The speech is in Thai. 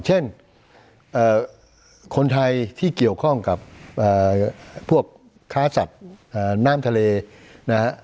เช่นคนไทยที่เกี่ยวข้องกับพวกค้าสัตว์น้ำทะเลนะฮะ